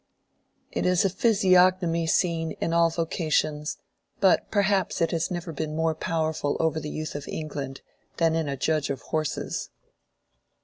It is a physiognomy seen in all vocations, but perhaps it has never been more powerful over the youth of England than in a judge of horses.